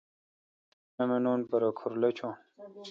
مہ نہ منوم پرہ کُھر لچھون۔